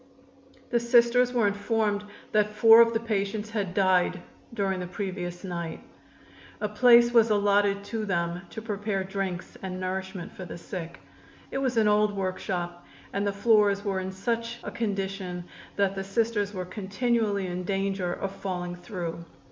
The Sisters were informed that four of the patients had died during the previous night. A place was allotted to them to prepare drinks and nourishment for the sick. It was an old workshop, and the floors were in such a condition that the Sisters were continually in danger of falling through.